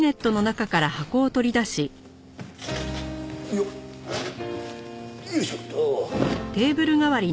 よっよいしょっと。